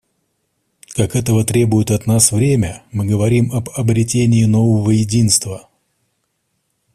Как этого требует от нас время, мы говорим об обретении нового единства.